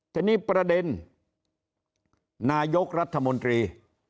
ทีนี้ประเด็นนายกรัฐมนตรี